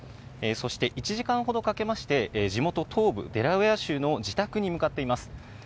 そして１時間ほどかけまして、地元、東部デラウェア州の自宅に向かっています。